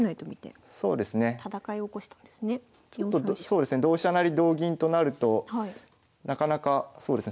そうですね同飛車成同銀となるとなかなかそうですね